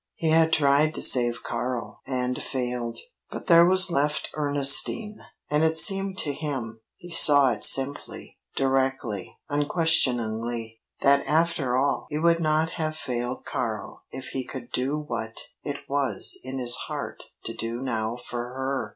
He had tried to save Karl, and failed. But there was left Ernestine. And it seemed to him he saw it simply, directly, unquestioningly that after all he would not have failed Karl if he could do what it was in his heart to do now for her.